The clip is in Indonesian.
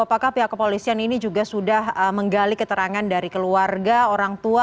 apakah pihak kepolisian ini juga sudah menggali keterangan dari keluarga orang tua